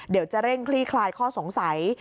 เดี๋ยวจะเร่งคลี่คลายข้อสงสัย